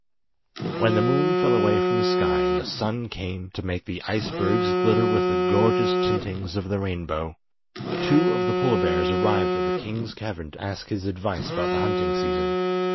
When the moon fell away from the sky and the sun came to make the icebergs glitter with the gorgeous tintings of the rainbow, two of the polar bears arrived at the king's cavern to ask his advice about the hunting season.